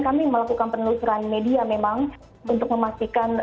kami melakukan penelusuran media memang untuk memastikan